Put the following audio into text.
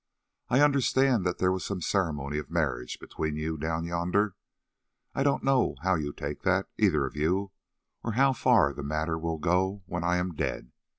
I understand that there was some ceremony of marriage between you down yonder. I don't know how you take that, either of you, or how far the matter will go when I am dead.